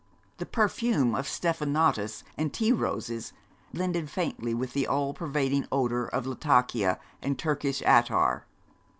The perfume of stephanotis and tea roses, blended faintly with the all pervading odour of latakia and Turkish attar.